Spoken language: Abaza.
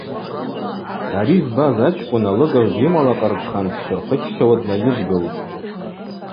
Ари збаз ачкӏвын алыгажв дйымалакъырдхан дпшвырхъыччауа днайыдгылтӏ.